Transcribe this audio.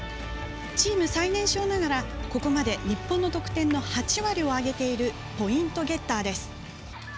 チーム最年少ながらここまで日本の得点の８割を挙げているポイントゲッターです。